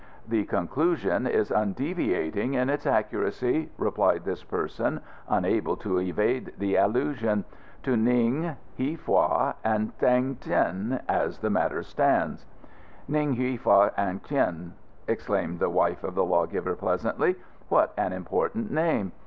"The conclusion is undeviating in its accuracy," replied this person, unable to evade the allusion. "To Ning, Hia Fa and T'ain Yen, as the matter stands." "Ning Hia Fa An T'ain Yen!" exclaimed the wife of the Law giver pleasantly. "What an important name.